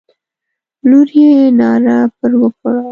لور یې ناره پر وکړه.